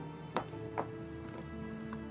nanti bu mau ke rumah